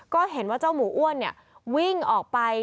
ก็เห็นว่าเจ้าหมูอ้วนวิ่งออกไป